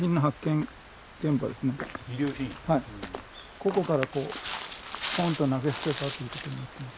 ここからぽんと投げ捨てたということになってます。